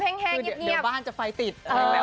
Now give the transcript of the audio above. เดี๋ยวบ้านจะไฟติด